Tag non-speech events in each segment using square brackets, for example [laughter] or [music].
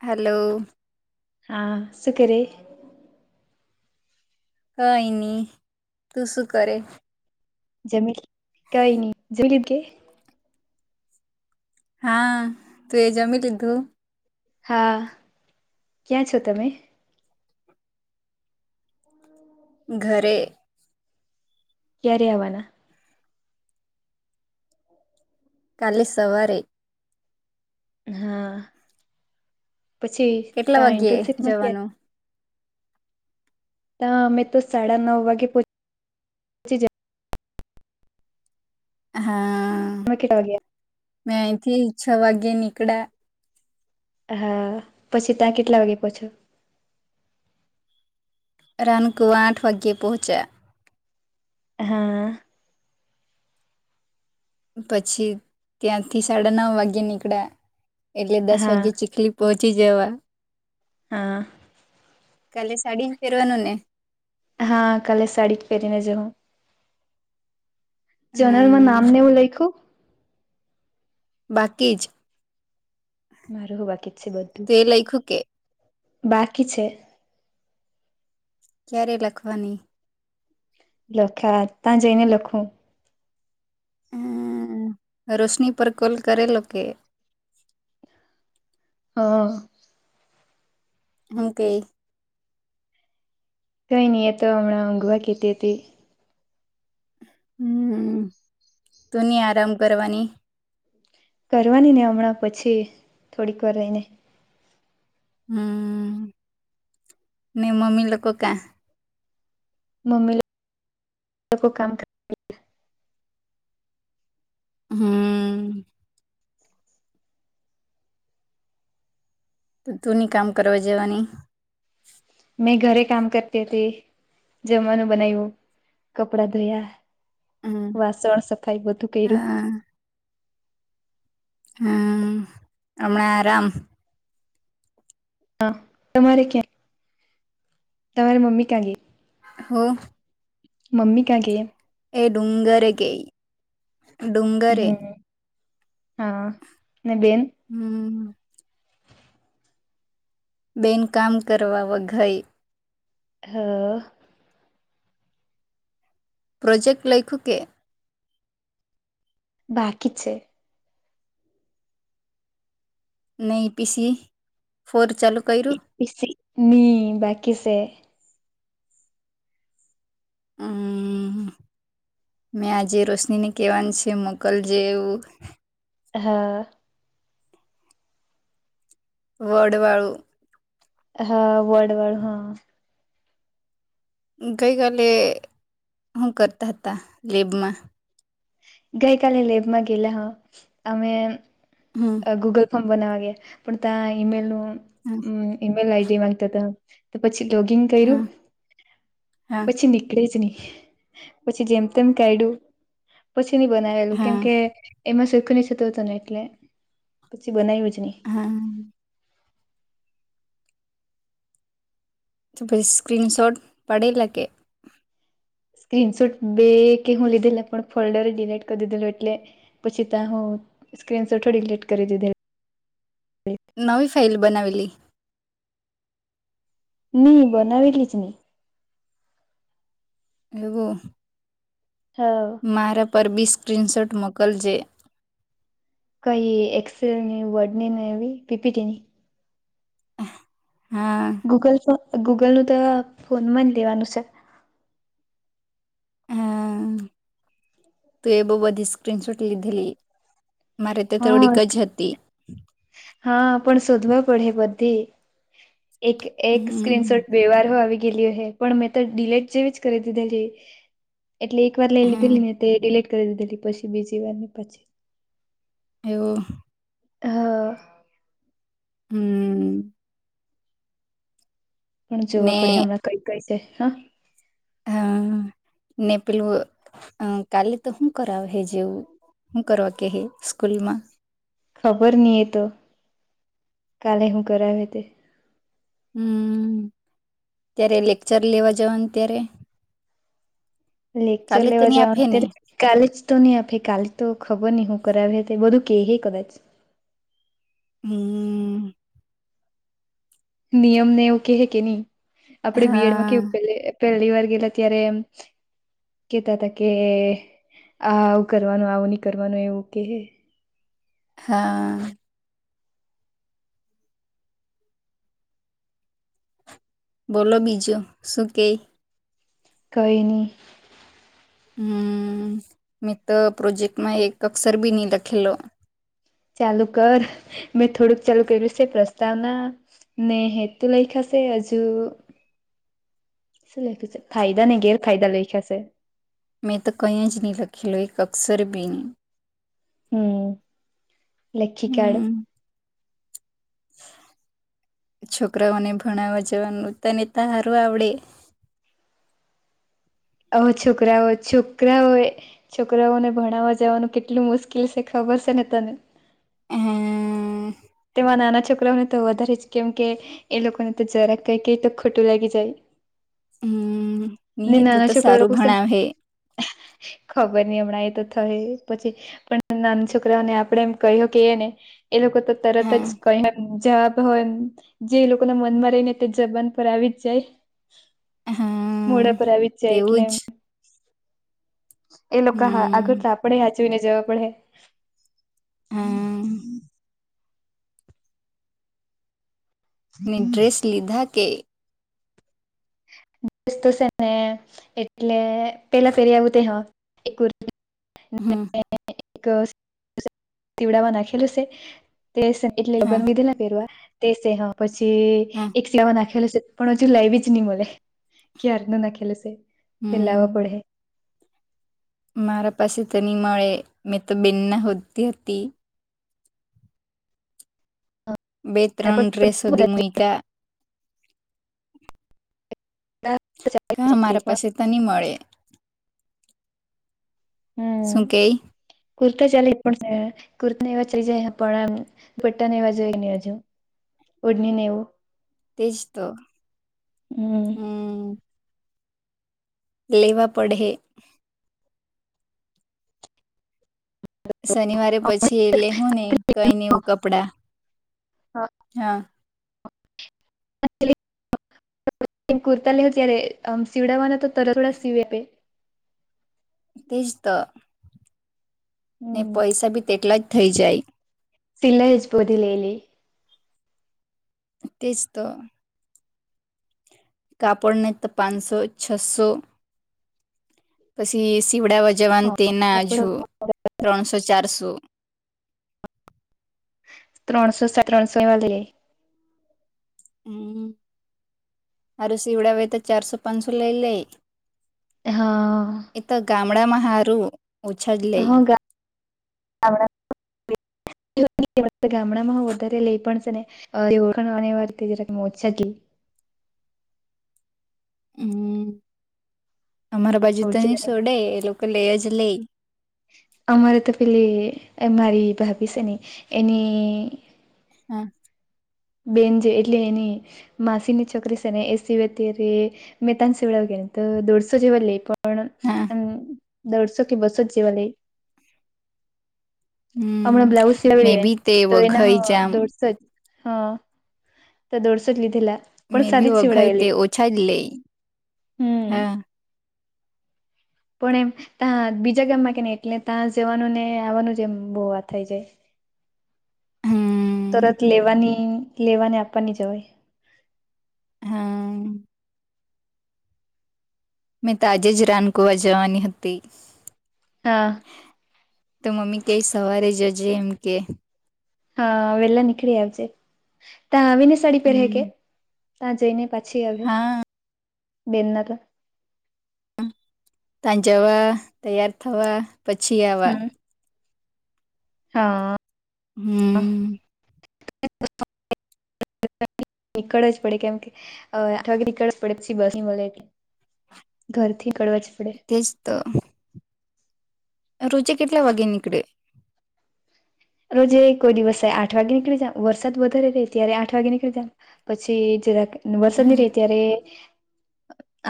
Hello! હા સુું કરે? કઈ નહી તું શું કરે? જમીલ કઈ ન જમીલ કે? હા તું એ જમી લીધું? હા ક્યાં છો તમે? ઘરે ક્યારે આવનના? કાલે સવારે હા પછી કેટલા ત્યા વાગ્યે ઇન્ટનશીપમાં ક્યા? જવાનું ત મેં તો સાડા નવ વાગે પ હા મ કેટ આવ્યા? મેહથી છ વાગે નીકળ્યા. હા પછી ત્યાં કેટલા વાગે પહોંછો? રાનકો આઠ વાગે પહોંચ્યા. હા પછી ત્યાંથી સાડા નવ વાગે નીકળ્યા એટલે દસ હા વાગે ચીખલી પહોંચી જવા હા કાલે સાડી પહેરવાનું ને? હા કાલે શાડી પહેરીને જવાનુ. જનલમાં હમ નામ ને એવું લખું? બાકી જ મારું હું બાકી જ છે બધુ તો એ લઈખ્યું કે? બાકી છે. ક્યારે લખવાની? લખા ત જઈને લખું. હમ રોશની પર કોલ કરેલો કે? હા હમ કે થંઈ ન એ તો હણા ઊઘવા કેતી હતી. હમ તું નની આરામ કરવાની કરવાની ને હમણાં પછી થોડીક વાર રહીને હમ ને મમ્મી લોકો ક્યાં? મમ્મી લો [unintelligible] કો કામ કરે હમ તો તુંની કામ કરવા જવાની. મેં ઘરે કામ કરતી હતી જમવાનું બનાવ્યું કપડા ધોયા હમ વાસણ સફાઈ બધું કર્યુ હા હમ હમણા આરામ હા તમારે ક્યાં. તમારી મમ્મી કયાં ગઇ. હો મમ્મી કયાં ગઇ. એ ડુંગરે ગઈ. ડુંગરે હમ હા ને બેન હમ બેન કામ કરવા વઘાઈ. હ. પ્રોજેક્ટ લઈખુ કે. બાકી જ છે. ન ઇ પીસી ફોર ચાલુ કર્યુ. પીસી ની બાકી છે. આ મેં આજે રોશનીને કહેવાની છે મોકલ જે એવુ હા. વડવાળુ હા વડ વડ હા. ગઈકાલે હું કરતા હતા લેબમા ગઈકાલે લેબમાં ગેલા હ અમે હમ્મ ગુગલ ફોર્મ બનાવા ગયા પણ ત્યાં ઈમેલનુ હ ઈમેલ આઈડી માંગતા હતા. તો પછી જોગિંગ હ કર્યું હા પછીની. નીકળેજ ની પછી જેમ તેમ કાઢયું પછી ની બનાવેલું હા કેમ કે એમાં સરખું ની થતું હતું ને એટલે પછી બનાવ્યું જ ની હા તો પછી સ્ક્રીન શોટ પાડેલા કે સ્ક્રીન શોટ બે કે હું લીધેલા પણ ફોલ્ડર ડિલીટ કરી દીધેલું એટલે પછી ત્યાં હું સ્ક્રી સોટ થોડી દીલીટ કરી દીધેલાં નવી ફાઇલ બનાવેલી ની બનાવેલી જ નહી. એવુ હા મારા પર બી સ્ક્રીનશોટ મોકલજે કઈ એક્સેલ ની વર્ડની એવી પીપીટીની હા ગૂગલ ફોન ગૂગલનું તો ફોનમાં જ લેવાનું છે. હમ તો એ બોવ બધી સ્ક્રીનશોટ લીધેલી. મારે તો હા થોડીક જ હતી. હા પણ શોધવા પડે બધી એક એક સ્ક્રીનશોટ હમ બેવ વાર આવી ગેલી હ પણ મેં તો ડિલેટ જેવી જ કરી દીધેલી. એટલે એક વાર લઈ હા લીધેલી ને તે ડિલીટ કરી દીધેલી પછી, બીજી વાર ની પછી. એવો હા હમ્મ પણ જોવા ને પડે હમણાં કઈ કઈ છે, હા હા નેપીલ હ કાાલ તો હું કરાવ હે જેવું હું કરવા કે સ્કૂલમા ખબર નહી એ તો કાલે હું કરાવ તે હમ ત્યારે લેકચર લેવા જવાનું ત્યારે લેક્ચર કાલે તો લેવા નહી આપે જવાનું ને અત્યારે કાલે જ તો નહી આપે કાલે તો ખબર નહી હું કરાવે બધું કે હ કદાચ હમ નિયમ ને એવું કેહે કે નહી આપડે બીએડમાં કે હા પહેલી વાર ગેલા ત્યારે એમ કેતા હતા કે આ આવું કરવાનું આવું નહી કરવાનું એવું કે હે હા. બોલો બીજો શું કે કઈ નય હમ મે તો પ્રોજેક્ટમાં એક અક્ષર બી નહી લખેલો. ચાલુ કર. મેં થોડુંક ચાલુ કર્યું છે પ્રસ્તાવના ને હેતુ લખ્યોશે હજુ શું લખું છે ફાયદા ને ગેરફાયદા લખ્યા છે. મેં તો કંઈ જ નહીં લખેલું એક અક્સર બી ન હમ લખી કાઢ હમ છોકરાઓને ભણાવવા જવાનું તને તારું આવડે અ છોકરા હોય છોકરા હોય છોકરાઓને ભણાવવા જવાનું કેટલું મુશ્કેલ છે ખબર છે ને તને. [unintelligible] તેમાં નાના છોકરાઓને તો વધારે જ કેમ કે એ લોકોને તો જરાક કઈ કઇએ તો ખોટું લાગી જાય. હમ ને નહી તું નાના તો છોકરા સારું છે ને ભણાવે ખબર નહી હમણાં એ તો થઈ પછી પણ નાના છોકરાઓને આપડે એમ કહ્યું કે એને એ લોકો તો તરત હા જ કઈમ જવાબ હોય એમ. જે લોકોના મનમાં રહી ને તે જબાન પર આવી જ જાય હા મોડા પર આવી જ. જાય એટલે તેવું જ એ લોકો હા હમ આગળ આપડે હાચવીને જવા પડે. હા ને ડ્રેસ લીધા કે ડ્રેસ તો છે ને એટલે પેલા પેરી આવું તે હ એક હમ. એક પીવડા નાખેલું છે તે એટલે હા લગ્ન વિધિ પહેરવા તેસે હા પછી હા એક સલાવા નાખેલા છે. પણ હજું લાઈવી જ નઈ મલે ક્યારનો નાખેલે સે તે લાવા હમ પડે. મારા પાસે તેની મળે મેં તો બેનના હોતી હતી. બે હમ ત્રણ ડ્રેસ મૂક્યા. કા મારા પાસે તો નહી મળે. હમ. શું કે? કુર્તા ચાલે પણ કુર્તા એવા ચલી જાય પણ એમ પટ્ટા નેવા જોઈને હજુ ઓઢણી ને એવું તેજ તો હમ હમ્મ લેવા પડે હે. શનિવારે પછી એ લે હું ને કઈને એવું કપડા હા [inaudible] કુર્તા લેવા જ્યારે સીવડાવાના તરત થોડી સીવી આપે. તેજ તો. ને હમ પૈસા બી તેટલા જ થઈ જાય. સિલાઈ જ [unintelligible] તેજ તો કાપડને તો પાંચસો છસો પછી સીવડાવા જવાન તે હા ના કાપડ હજુ ત્રણસો ચારસો ત્રણસો સા ત્રણસો એવા તો લેય હમ અરે શિવડાવે તો ચારસો પાંચસો લઈ લે હા. એ તો ગામડામાં હારું ઓછા જ લે હા [unintelligible] ગામડામાં હો વધારે લઈ પણ છે ને [unintelligible] હમ અમારા બાજુ ઓળખી તોની સોડે એ લોકો લે જ લે અમારે તો પેલી મારી ભાભી છે ને એની હા. બેન જે એટલે એની માસી ની છોકરી છે ને એ સિવે ત્યારે મેતા જ સેવડાવ ને તો દોઢસો જેવા લઈ પણ હા પણ દોઢસો થી બસો જેવા જ લેય હમ અમણાં બ્લાઉઝ મે બી તે [unintelligible] તો એના હો વઘઈ જામ દોઢસો જ હ તો દોઢસો જ લીધેલા પણ મે બી સાદી જ વઘઈ તે શિવડાવેલી ઓછા જ લઈ હમ હા પણ એ ત્યા બીજા ગામમાં કેને એટલે ત્યાં જવાનું ને આવવાનું જ એમ બો વા થઈ જાય. હમ્મ તરત લેવાની લેવાને આપવાની જવાય. હા મેંતો આજે જ રાનકુવા જવાની હતી. હા. તો મમ્મી કે સવારે જજે એમ કે હા વેલા નીકળી આવજે ત્યાં આવીને સાડી પહેરે કે હમ ત્યાં જઈને પછી હવે હા બેન ના તા ત્યાં જવા તૈયાર થવા પછી આવા હમ. હા. હમ્મ. નીકળવા જ પડે કેમ કે આઠ વાગે નીકળવા જ પડે પછી બસ ની મળે ઘર થી નીકળવા જ પડે તેજ તો રોજે કેટલા વાગે નીકળે રોજે કોઈ દિવસે આઠ વાગે નીકળી જામ વરસાદ વધારે રેય ત્યારે આઠ વાગે નીકળી જામ પછી જરા વરસાદ ની હા રેય ત્યારે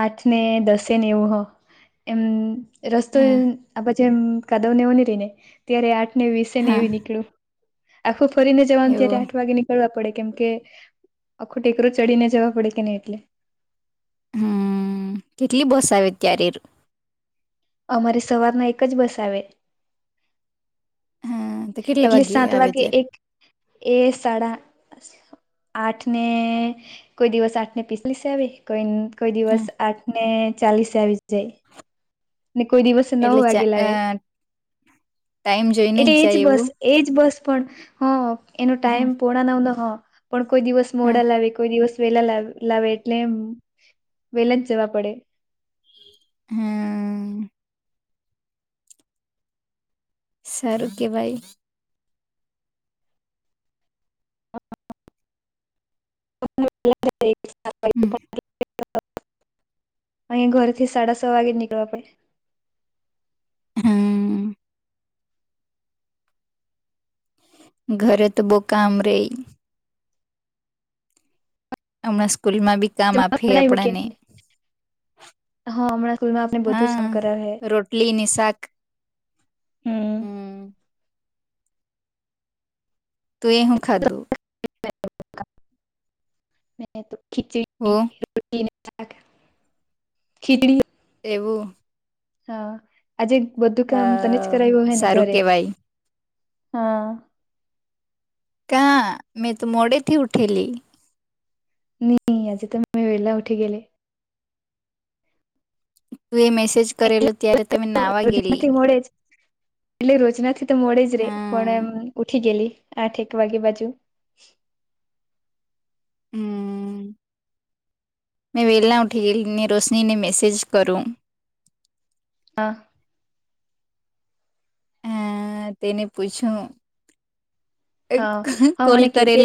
આઠ ને દસે ને એવું હ એમ રસ્તો હા આ પછી એમ કાદવ ને એવું ની રે ને ત્યારે આઠ ને વીસે ને હા એવી નીકળે આખું ફરીને જવાનું ત્યારે એવું આઠ વાગે નીકળ વા પડે કેમ કે અખો ટેકરું ચડીને જવા પડે કે નહી એટલે હમ કેટલી બસ આવે ત્યારે અમારે સવારના એક જ બસ આવે, હા તો કેટલા એટલે વાગ્યે સાત આવે વાગે ત્યારે એક એ સાડા આઠ ને કોઈ દિવસ આઠ ને પીસલી સ આવે, કોઈ કોઈ હા દિવસ આઠ ને ચાલીસે આવી જાય. ને કોઈ દિવસે નવ એટલે ચા વાગેલા અ હોય ટાઈમ જોઈને જ એટલે એજ જાય બસ એવું એજ બસ પણ હ એનો હા ટાઈમ પોણા નોવ નો હ પણ કોઈ દિવસ હા મોડા લાવે કોઈ દિવસ વેલા લાવે એટલે વેલા જ જવા પડે. હમ્મ સારું કેવાય [unintelligible] હમ [unintelligible] અહી ઘર થી સાડા છ વાગે નીકળવા પડે હમ્મ ઘરે ત બો કામ રે, હમણા સ્કૂલમાં બી [unintelligible] આપણાને હ હમણાં સ્કૂલમાં આપણે [unintelligible] બધું જ કામ કરાવે હા રો લ્લીનસાક હમ હમ્મ તુ એ હું ખાધું. [unintelligible] હો [unintelligible] એવું હા, આજે બધું અ કામ તને જ કરાય્યું હોય ને સારું ઘરે કેવાય હા કા મેં તો મોડેથી ઉઠેલી. નહી આજે તો મેં વેળલા ઉઠી ગેલે તું એ મેસેજ કરેલો ત્યારે તમે નાવા ગયેલી ગેલી. રોજનાથી મોડે જ એટલે રોજનાથી તો મળે જ રે હા પણ એમ ઉઠી ગયેલી આઠ એક વાગે બાજુ હમ્મ મે વેલા ઉઠી ને રોશનીને મેસેજ કરું. હા હ તેને પૂછ્યું હા [unintelligible] હા કોલ મને કરેલા કેતી